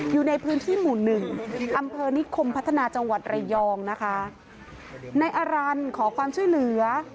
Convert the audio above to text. อยู่ในพื้นที่หมู่หนึ่งอำเภอนิคมพัฒนาจังหวัดระยองนะคะนายอรันขอความช่วยเหลือ